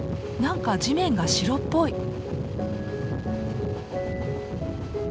何か地面が白っぽい。